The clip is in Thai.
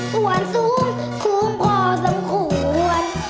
วนสูงสูงพอสมควร